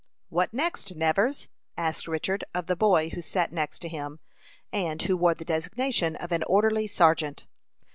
"What next, Nevers?" asked Richard of the boy who sat next to him, and who wore the designation of an orderly sergeant.